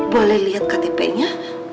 boleh lihat ktp nya